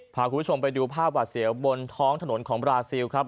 พาคุณผู้ชมไปดูภาพหวาดเสียวบนท้องถนนของบราซิลครับ